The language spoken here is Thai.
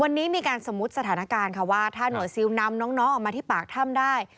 วันนี้มีการสมมุติสถานการณ์ค่ะว่าถ้าหน่วยซิลนำน้องออกมาที่ปากถ้ำได้